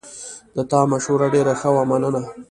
د تا مشوره ډېره ښه وه، مننه